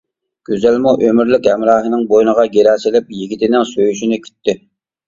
گۈزەلمۇ ئۆمۈرلۈك ھەمراھىنىڭ بوينىغا گىرە سېلىپ يىگىتىنىڭ سۆيۈشىنى كۈتتى.